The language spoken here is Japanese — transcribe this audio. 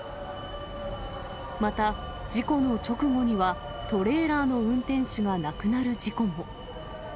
また事故の直後には、トレーラーの運転手が亡くなる事故も。